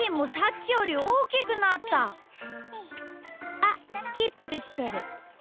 あっスキップしてる。